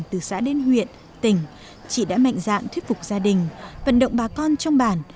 từ xã đến huyện tỉnh chị đã mạnh dạng thuyết phục gia đình vận động bà con trong bản